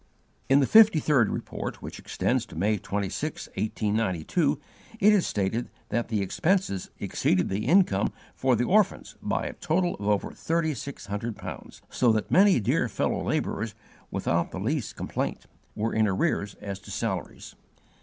In the Fifty third Report, which extends to May 26, 1892, it is stated that the expenses exceeded the income for the orphans by a total of over thirty six hundred pounds, so that many dear fellow labourers, without the least complaint, were in arrears as to salaries.